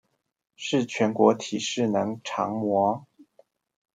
是全國體適能常模